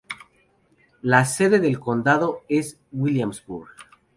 La sede del condado es Williamsburg.